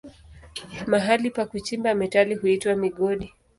Mahali pa kuchimba metali huitwa migodi.